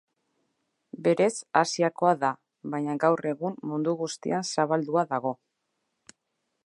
Berez Asiakoa da, baina gaur egun mundu guztian zabaldua dago.